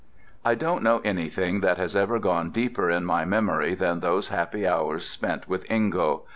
I don't know anything that has ever gone deeper in my memory than those hours spent with Ingo.